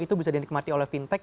itu bisa dinikmati oleh fintech